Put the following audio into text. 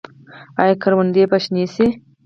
آیا کروندې به شنې شي؟